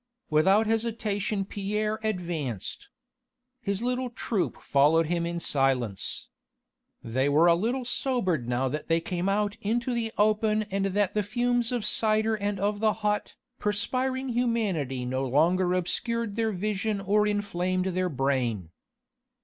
Without hesitation Pierre advanced. His little troop followed him in silence. They were a little sobered now that they came out into the open and that the fumes of cider and of hot, perspiring humanity no longer obscured their vision or inflamed their brain.